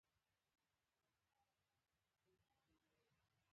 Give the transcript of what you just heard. سیکهان په شمېر کې زیات او قوي شوي وو.